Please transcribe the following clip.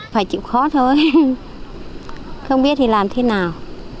phải chịu khó thôi không biết thì làm thế nào